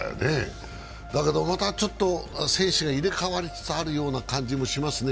だけどまた選手が入れ替わりつつあるような感じしますね。